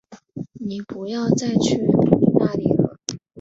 妳不要再去那里了